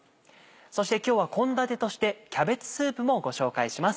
そして今日は献立として「キャベツスープ」もご紹介します。